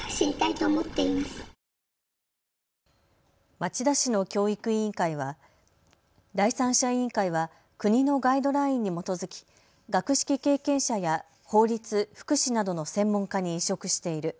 町田市の教育委員会は第三者委員会は国のガイドラインに基づき学識経験者や法律、福祉などの専門家に委嘱している。